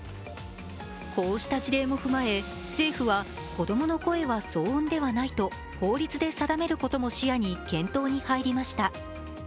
こうした事例も踏まえ政府は子供の声は騒音ではないと法律で定めることも視野に検討に入りました。